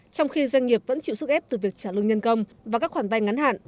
trong khi doanh nghiệp vẫn chịu sức ép từ việc trả lương nhân công và các khoản vay ngắn hạn